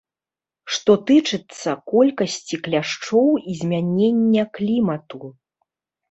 Што тычыцца колькасці кляшчоў і змянення клімату.